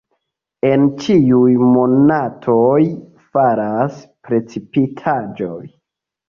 En ĉiuj monatoj falas precipitaĵoj.